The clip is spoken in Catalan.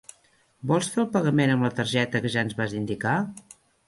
Vols fer el pagament amb la targeta que ja ens vas indicar?